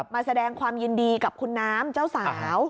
มาแสดงความยินดีกับคุณน้ำเจ้าสาว